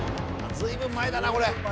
随分前だなこれ。